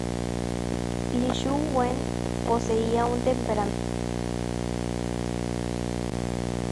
Li Shu Wen poseía un temperamento violento.